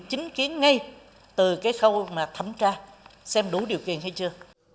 chính kiến ngay từ cái khâu mà thẩm tra xem đủ điều kiện hay chưa